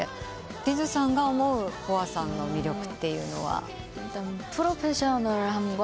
リズさんが思うＢｏＡさんの魅力っていうのは？